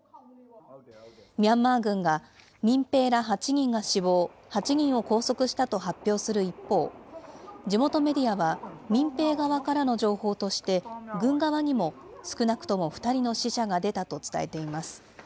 ミャンマー軍が、民兵ら８人が死亡、８人を拘束したと発表する一方、地元メディアは、民兵側からの情報として、軍側にも少なくとも２人の死者が出たと伝えています。